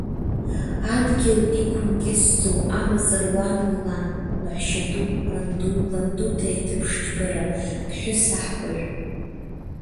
Адгьыл иқәымкьысӡо амаҵ руан уи лан, лаҳәшьа ду, ланду ланду ҭеиҭыԥш џьбара, ԥҳәыс аҳкәажә.